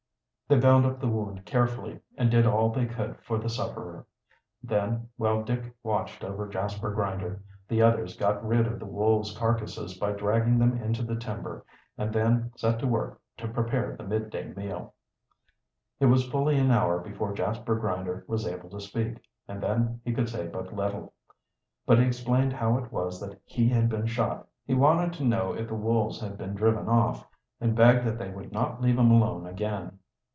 They bound up the wound carefully, and did all they could for the sufferer. Then, while Dick watched over Jasper Grinder, the others got rid of the wolves' carcasses by dragging them into the timber, and then set to work to prepare the midday meal. It was fully an hour before Jasper Grinder was able to speak, and then he could say but little. But he explained how it was that he had been shot. He wanted to know if the wolves had been driven off, and begged that they would not leave him alone again.